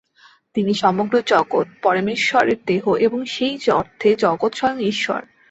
তেমনি সমগ্র জগৎ পরমেশ্বরের দেহ, এবং সেই অর্থে জগৎ স্বয়ং ঈশ্বর।